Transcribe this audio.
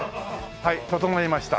はい整いました。